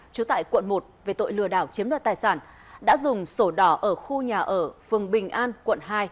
trú tại quận một về tội lừa đảo chiếm đoạt tài sản đã dùng sổ đỏ ở khu nhà ở phường bình an quận hai